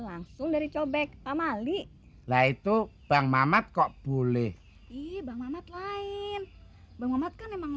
langsung dari cobek pak mali lah itu bang mamat kok boleh ih bang mamat lain bang umat kan emang